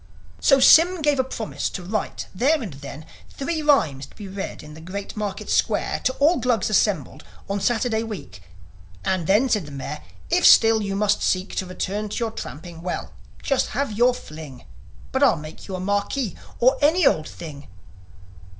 "' So Sym gave a promise to write then and there Three rhymes to be read in the Great Market Square To all Glugs assembled on Saturday week. "And then," said the Mayor, "if still you must seek To return to your tramping, well, just have your fling; But I'll make you a marquis, or any old thing